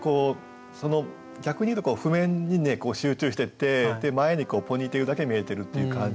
逆に言うと譜面に集中してて前にこうポニーテールだけ見えてるっていう感じでね